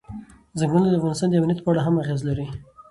ځنګلونه د افغانستان د امنیت په اړه هم اغېز لري.